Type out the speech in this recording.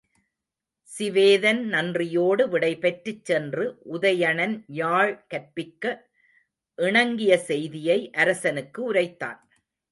சிவேதன் நன்றியோடு விடைபெற்றுச் சென்று உதயணன் யாழ் கற்பிக்க இணங்கிய செய்தியை அரசனுக்கு உரைத்தான்.